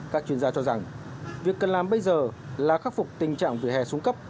các chuyên gia cho rằng việc cần làm bây giờ là khắc phục tình trạng vỉa hè xuống cấp